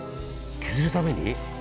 削るために？